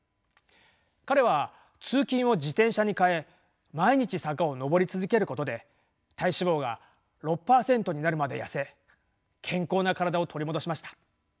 彼は通勤を自転車に変え毎日坂を上り続けることで体脂肪率が６％になるまで痩せ健康な体を取り戻しました。